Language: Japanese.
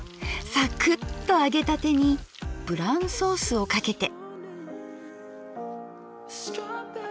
サクッと揚げたてにブランソースをかけて。